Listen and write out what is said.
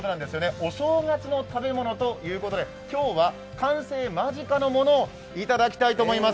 お正月の食べ物ということで今日は完成間近なものをいただきたいと思います。